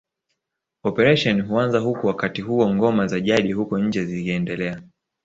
Operesheni huanza huku wakati huo ngoma za jadi huko nje ziiendelea